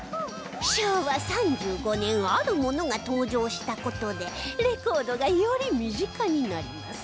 昭和３５年あるものが登場した事でレコードがより身近になります